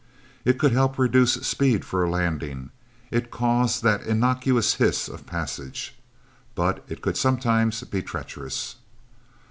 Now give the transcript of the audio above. It could help reduce speed for a landing; it caused that innocuous hiss of passage. But it could sometimes be treacherous.